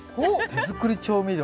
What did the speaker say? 手作り調味料？